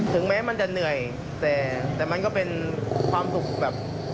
ถึงแม้มันจะเหนื่อยแต่มันก็เป็นความสุขแบบ